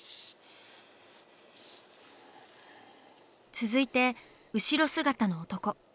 続いて後ろ姿の男。